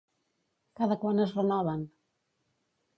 Cada quan es renoven?